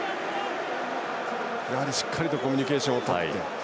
やはりしっかりコミュニケーションをとって。